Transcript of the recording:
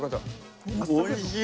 おいしい！